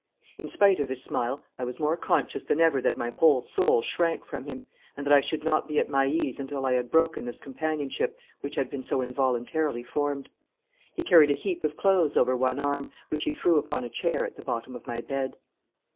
In spite of his smile, I was more conscious than ever that my whole soul shrank from him, and that I should not be at my ease until I had broken this companionship which had been so involuntarily formed. He carried a heap of clothes over one arm, which he threw upon a chair at the bottom of my bed.